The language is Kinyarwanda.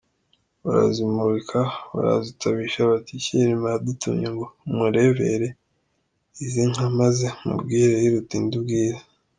Barazimurika, barazitabisha bati “Cyilima yadutumye ngo umurebere izi nka maze umubwire iruta indi ubwiza.